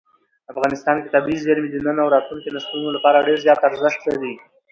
افغانستان کې طبیعي زیرمې د نن او راتلونکي نسلونو لپاره ډېر زیات ارزښت لري.